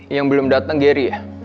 yang belum datang gery ya